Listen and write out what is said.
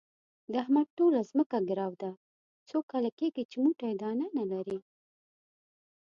د احمد ټوله ځمکه ګرو ده، څو کاله کېږي چې موټی دانه نه لري.